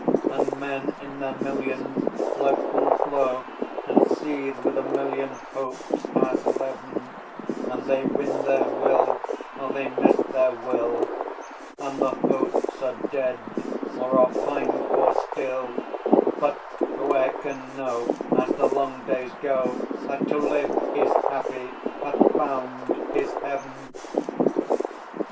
And men in their millions float and flow And seethe with a million hopes as leaven; And they win their Will, or they miss their Will, And the hopes are dead or are pined for still; But whoe'er can know, As the long days go, That To Live is happy, hath found his Heaven!